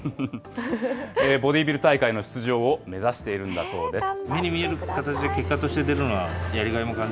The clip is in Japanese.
ボディービル大会の出場を目指しているんだそうです。